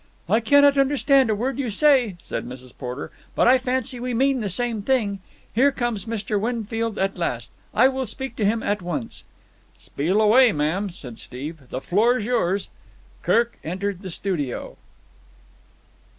"I cannot understand a word you say," said Mrs. Porter, "but I fancy we mean the same thing. Here comes Mr. Winfield at last. I will speak to him at once." "Spiel away, ma'am," said Steve. "The floor's yours." Kirk entered the studio.